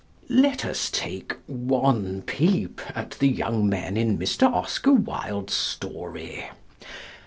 Let us take one peep at the young men in Mr. Oscar Wilde's story.